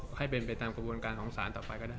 ให้เป็นไปตามกระบวนการของสารต่อไปก็ได้